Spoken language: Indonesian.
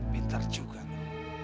pintar juga lo